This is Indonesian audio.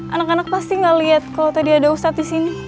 anak anak pasti nggak liat kalau tadi ada ustaz disini